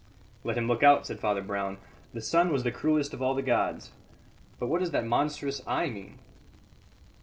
"Let him look out," said Father Brown. "The sun was the cruellest of all the gods. But what does that monstrous eye mean?"